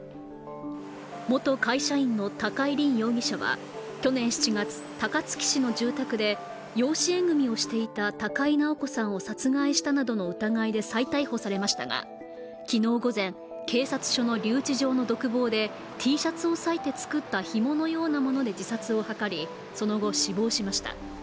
元会社員の高井凜容疑者は去年７月、高槻市の住宅で養子縁組みをしていた高井直子さんを殺害したなどの疑いで再逮捕されましたが昨日午前、警察署の留置場の独房でＴシャツを裂いて作ったひものようなもので自殺を図り、その後、死亡しました。